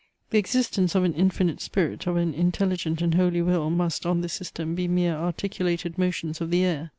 The existence of an infinite spirit, of an intelligent and holy will, must, on this system, be mere articulated motions of the air.